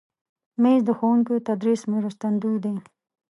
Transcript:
مېز د ښوونکي د تدریس مرستندوی دی.